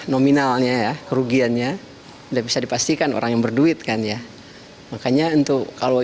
nominalnya ya kerugiannya udah bisa dipastikan orang yang berduit kan ya makanya untuk kalau